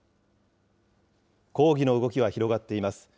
抗議の動きは広がっています。